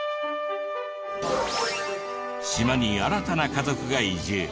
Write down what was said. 島に新たな家族が移住。